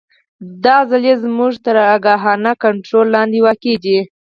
دا عضلې زموږ تر آګاهانه کنترول لاندې واقع دي.